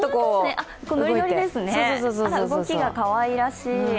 あら、動きがかわいらしい。